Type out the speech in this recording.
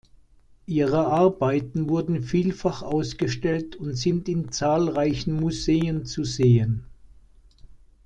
Ihre Arbeiten wurden vielfach ausgestellt und sind in zahlreichen Museen zu sehen.